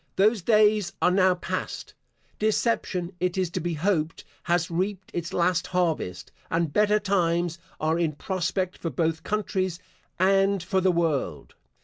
Those days are now past: deception, it is to be hoped, has reaped its last harvest, and better times are in prospect for both countries, and for the world.